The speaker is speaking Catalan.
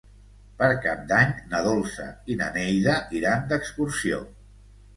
Per Cap d'Any na Dolça i na Neida iran d'excursió.